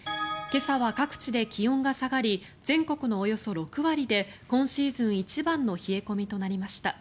今朝は各地で気温が下がり全国のおよそ６割で今シーズン一番の冷え込みとなりました。